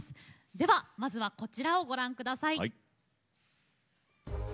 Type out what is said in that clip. ではまずはこちらをご覧下さい。